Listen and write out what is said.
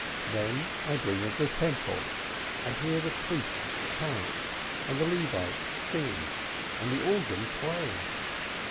Then I dream of the temple, I hear the priests chant, and the Levites sing, and the organ play.